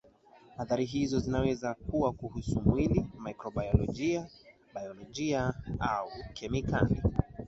Athari hizo zinaweza kuwa kuhusu mwili mikrobiolojia baiolojia au kemikali